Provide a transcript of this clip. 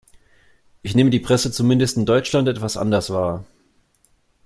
Ich nehme die Presse zumindest in Deutschland etwas anders wahr.